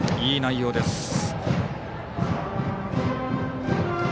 いい内容です。